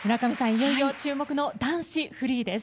いよいよ注目の男子フリーです。